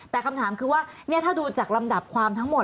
แต่คำถามคือว่าถ้าดูจากลำดับความทั้งหมด